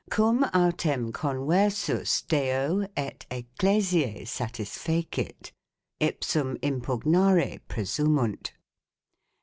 Cum autem conuersus deo et ecclesie satisfecit ; ipsum impugnare presumunt.